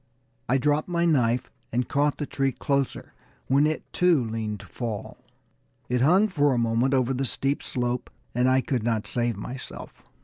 I dropped my knife and caught the tree closer, when it, too, leaned to fall. It hung for a moment over the steep slope, and I could not save myself.